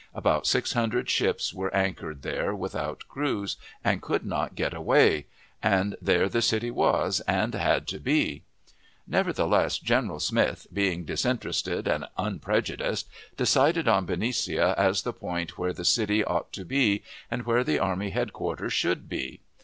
About six hundred ships were anchored there without crews, and could not get away; and there the city was, and had to be. Nevertheless, General Smith, being disinterested and unprejudiced, decided on Benicia as the point where the city ought to be, and where the army headquarters should be.